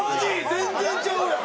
全然ちゃうやん！